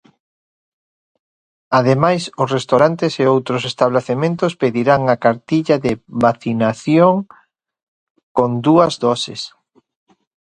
Ademais, os restaurantes e outros establecementos pedirán a cartilla de vacinación con dúas doses.